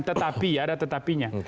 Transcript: tetapi ada tetapinya